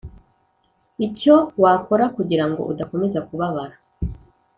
icyo wakora kugira ngo udakomeza kubabara